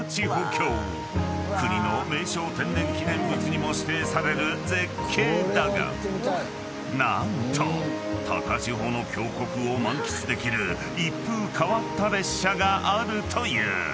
［国の名勝天然記念物にも指定される絶景だが何と高千穂の峡谷を満喫できる一風変わった列車があるという］